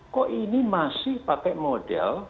kok ini masih pakai model